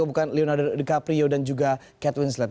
bukan leonardo dicaprio dan juga cat winslet